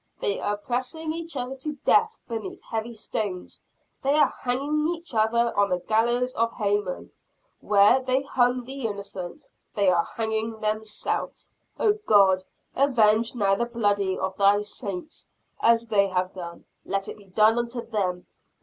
They are pressing each other to death beneath heavy stones! They are hanging each other on the gallows of Haman! Where they hung the innocent, they are hanging themselves! Oh, God! avenge now the blood of thy Saints! As they have done, let it be done unto them!